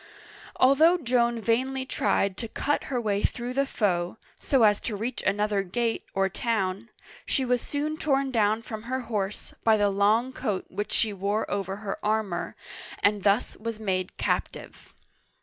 Although Joan vainly tried to cut her way through the foe, so as to reach another gate or town, she was soon torn down from her horse by the long coat which she wore over her armor, and thus was made captive.